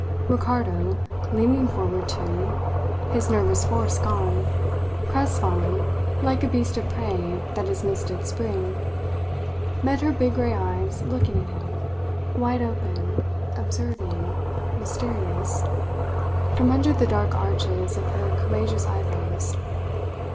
Ricardo, leaning forward too, his nervous force gone, crestfallen like a beast of prey that has missed its spring, met her big grey eyes looking at him wide open, observing, mysterious from under the dark arches of her courageous eyebrows.